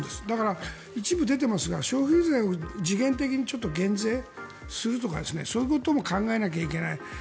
だから、一部出ていますが消費税を時限的に減税するとかそういうことも考えないといけない。